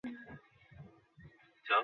শুধু কয়েকটি এলোমেলো চিন্তা আমার মনে থাকিবে।